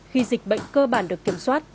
khi dịch bệnh cơ bản được kiểm soát